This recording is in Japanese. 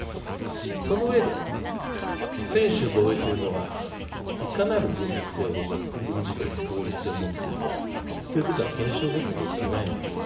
その上で、専守防衛というのは、いかなる軍事的合理性を持つ者かということは検証できていないのです。